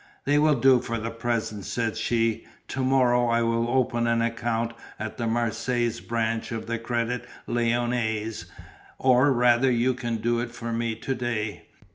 "That will do for the present," said she, "to morrow I will open an account at the Marseilles branch of the Crédit Lyonnais, or rather you can do it for me to day.